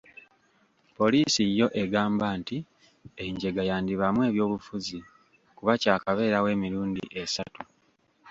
Poliisi yo egamba nti enjega yandibaamu ebyobufuzi kuba kyakabeerawo emirundi esatu.